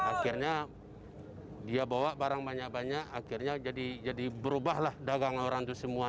akhirnya dia bawa barang banyak banyak akhirnya jadi berubahlah dagang orang itu semua